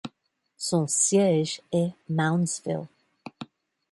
Son siège est Moundsville.